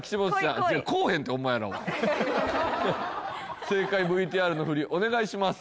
こうへんってお前らは正解ＶＴＲのフリお願いします